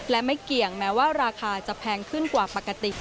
และไม่เกี่ยงแม้ว่าราคาจะแพงขึ้นกว่าปกติ